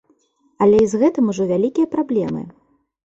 Але і з гэтым ужо вялікія праблемы.